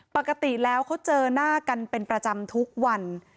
ปกติแล้วเขาเจอหน้ากันเป็นประจำทุกวัน